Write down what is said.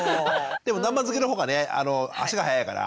でも南蛮漬けのほうがね足が早いから。